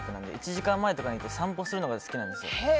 １時間前とかに着いて散歩するのが好きなんですよ。